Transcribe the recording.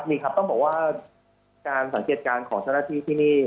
มีครับต้องบอกว่าการสังเกตการณ์ของเจ้าหน้าที่ที่นี่